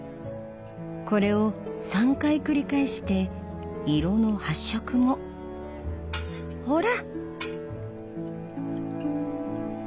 これを３回繰り返して色の発色もほら！